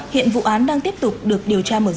hiện vụ án đang tiếp tục được điều tra mở rộng